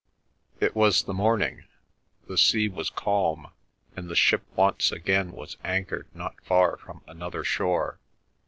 It was the morning, the sea was calm, and the ship once again was anchored not far from another shore.